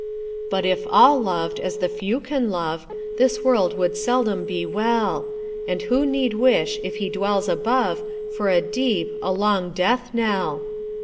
"But if all loved, as the few can love, This world would seldom be well; And who need wish, if he dwells above, For a deep, a long death knell?